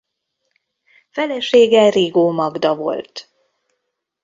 Felesége Rigó Magda volt.